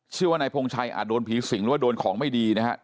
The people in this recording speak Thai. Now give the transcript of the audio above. ชื่อว่านายพงชัยอาจโดนผีสิงหรือว่าโดนของไม่ดีนะฮะ